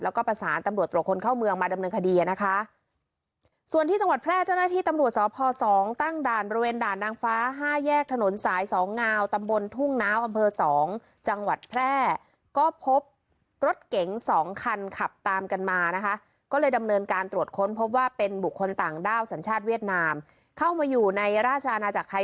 แล้วก็ประสานตำรวจตรวจคนเข้าเมืองมาดำเนินคดี